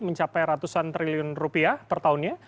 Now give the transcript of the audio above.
mencapai ratusan triliun rupiah per tahunnya